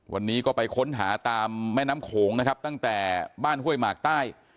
วันนี้ก็ไปค้นหาตามแม่น้ำโขงนะครับตั้งแต่บ้านห้วยหมากใต้